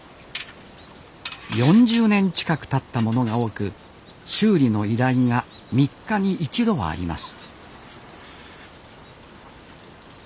４０年近くたったものが多く修理の依頼が３日に一度はあります